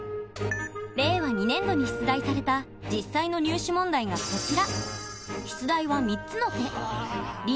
令和２年度に出題された実際の入試問題がこちら。